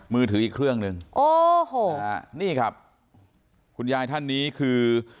มือถืออีกเครื่องหนึ่งโอ้โหนี่ครับคุณยายท่านนี้คือ